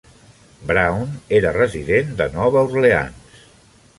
Brown era resident de Nova Orleans.